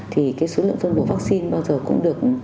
thì cái số lượng phân bổ vaccine bao giờ cũng được